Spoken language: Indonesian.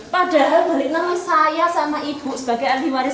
padahal balik nama saya sama ibu sebagai alih waris